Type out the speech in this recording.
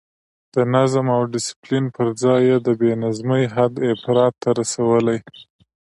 د نظم او ډسپلین پر ځای یې د بې نظمۍ حد افراط ته رسولی.